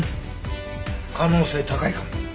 可能性高いかも。